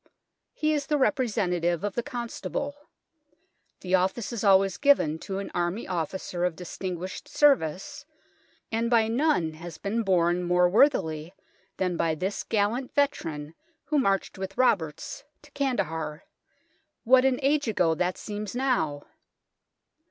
He is the representative of the Constable ; the office is always given to an Army officer of dis tinguished service, and by none has been borne more worthily than by this gallant veteran who marched with Roberts to Kan dahar what an age ago that seems now